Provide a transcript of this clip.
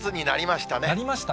なりましたね。